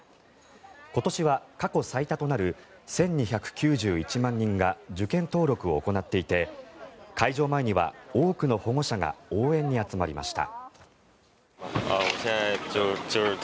今年は過去最多となる１２９１万人が受験登録を行っていて会場前には多くの保護者が応援に集まりました。